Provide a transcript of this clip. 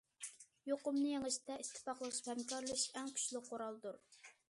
يۇقۇمنى يېڭىشتە، ئىتتىپاقلىشىپ ھەمكارلىشىش ئەڭ كۈچلۈك قورالدۇر.